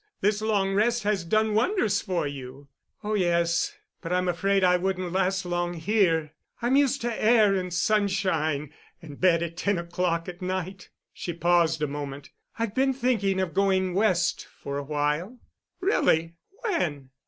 This long rest has done wonders for you." "Oh, yes. But I'm afraid I wouldn't last long here. I'm used to air and sunshine and bed at ten o'clock at night." She paused a moment. "I've been thinking of going West for a while." "Really? When?"